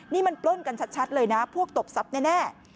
นี่มันปล้นกันชัดเลยนะพวกตบทรัพย์แน่